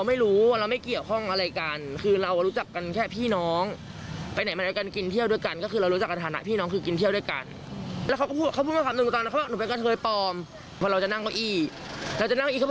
ไม่รู้เราก็จับโทรศัพท์ท่านี้เราก็นั่งเหมือนว่ายองอ่ะ